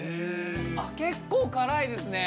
結構、辛いですね。